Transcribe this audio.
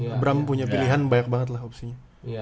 abraham punya pilihan banyak banget lah opsinya